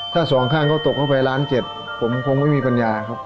ถ้าสองข้างเขาตกเข้าไปร้านเจ็บผมคงไม่มีปัญญาครับ